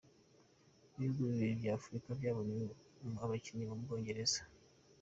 Ibihugu bibiri bya Afurika byabonye abakinnyi mu Bwongereza.